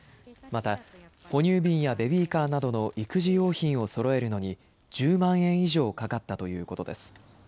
また、哺乳瓶やベビーカーなどの育児用品をそろえるのに、１０万円以上かかったということです。